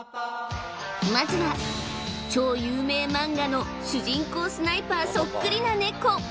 まずは超有名マンガの主人公スナイパーそっくりなネコ！